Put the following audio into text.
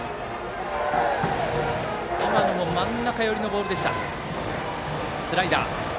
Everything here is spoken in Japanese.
今のも真ん中寄りのボールでしたスライダー。